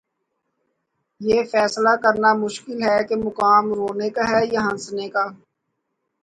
یہ فیصلہ کرنا مشکل ہے کہ مقام رونے کا ہے یا ہنسنے کا۔